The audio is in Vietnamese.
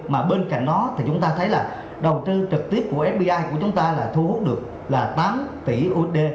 mà bên cạnh đó thì chúng ta thấy là đầu tư trực tiếp của fdi của chúng ta là thu hút được là tám tỷ usd